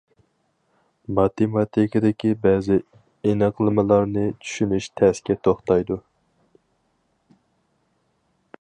ماتېماتىكىدىكى بەزى ئېنىقلىمىلارنى چۈشىنىش تەسكە توختايدۇ.